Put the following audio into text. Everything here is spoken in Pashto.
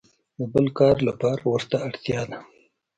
د بل کار لپاره ورته اړتیا ده.